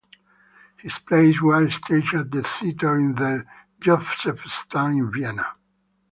His plays were staged at the Theater in der Josefstadt in Vienna.